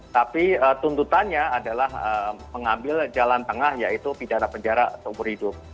tapi tuntutannya adalah mengambil jalan tengah yaitu pidana penjara seumur hidup